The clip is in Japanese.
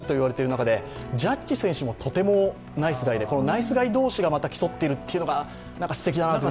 大谷さん、とても人柄がいいと言われている中でジャッジ選手もとてもナイスガイでナイスガイ同士が競っているというのがすてきだなと。